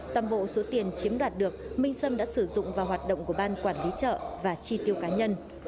tầm bộ số tiền chiếm đoạt được minh sâm đã sử dụng vào hoạt động của ban quản lý chợ và chi tiêu cá nhân